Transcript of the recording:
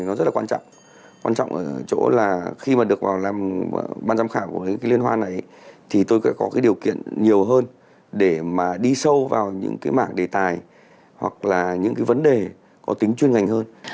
nó rất là quan trọng quan trọng ở chỗ là khi mà được làm ban giám khảo của cái liên hoan này thì tôi sẽ có cái điều kiện nhiều hơn để mà đi sâu vào những cái mảng đề tài hoặc là những cái vấn đề có tính chuyên ngành hơn